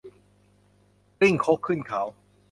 กลิ้งครกขึ้นเขา